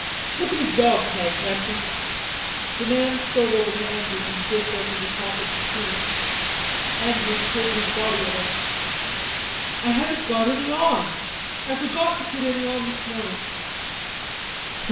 "Look at his dawg tag, Handsome." The man strode over to Andrews and jerked open the top of his tunic. Andrews pulled his body away. "I haven't got any on. I forgot to put any on this morning."